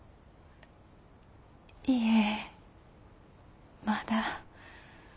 いえまだ。